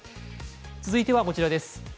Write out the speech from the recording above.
続いてはこちらです。